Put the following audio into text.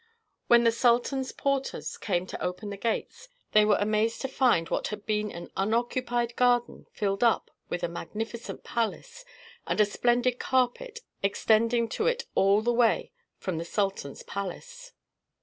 When the sultan's porters came to open the gates they were amazed to find what had been an unoccupied garden filled up with a magnificent palace, and a splendid carpet extending to it all the way from the sultan's palace.